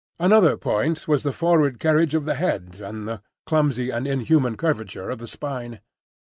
Another point was the forward carriage of the head and the clumsy and inhuman curvature of the spine.